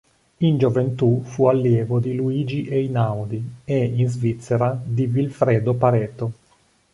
In gioventù fu allievo di Luigi Einaudi e, in Svizzera, di Vilfredo Pareto.